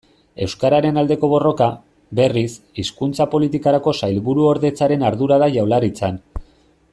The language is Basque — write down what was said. Euskararen aldeko borroka, berriz, Hizkuntza Politikarako Sailburuordetzaren ardura da Jaurlaritzan.